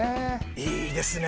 いいですね！